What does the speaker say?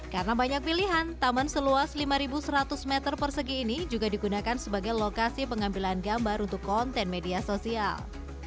karena banyak pilihan taman seluas lima seratus meter persegi ini juga digunakan sebagai lokasi pengambilan gambar untuk konten media sosial